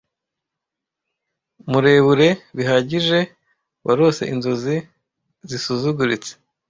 Murebure bihagije warose inzozi zisuzuguritse,